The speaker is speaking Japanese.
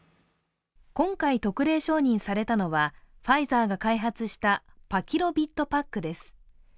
今回特例承認されたのは、ファイザーが開発したパキロビッドパックです。